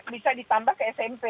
bisa ditambah ke smp